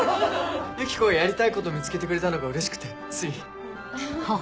ユキコがやりたいこと見つけてくれたのがうれしくてつい。